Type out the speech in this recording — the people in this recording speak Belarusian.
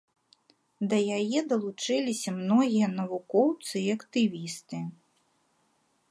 Да яе далучыліся многія навукоўцы і актывісты.